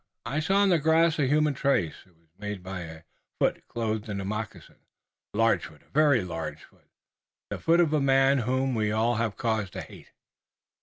"I saw on the grass a human trace. It was made by a foot clothed in a moccasin, a large foot, a very large foot, the foot of a man whom we all have cause to hate."